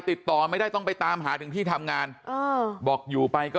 ติดต่อไม่ได้ต้องไปตามหาถึงที่ทำงานเออบอกอยู่ไปก็